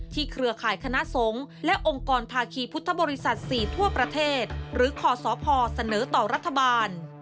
เครือข่ายคณะสงฆ์และองค์กรภาคีพุทธบริษัท๔ทั่วประเทศหรือขอสพเสนอต่อรัฐบาล